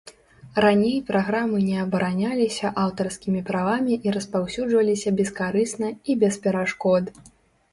Раней праграмы не абараняліся аўтарскімі правамі і распаўсюджваліся бескарысна і без перашкод.